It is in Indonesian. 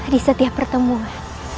di setiap pertemuan